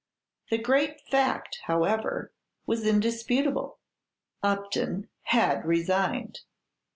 The great fact, however, was indisputable, Upton had resigned.